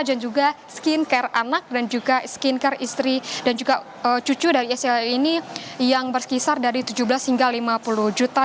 dan juga skin care anak dan juga skin care istri dan juga cucu dari sl ini yang berkisar dari tujuh belas hingga lima puluh juta